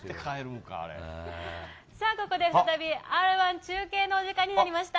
ここで再びＲ−１中継の時間になりました。